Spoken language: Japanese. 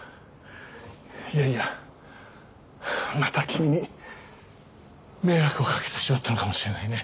いやいやまた君に迷惑をかけてしまったのかもしれないね。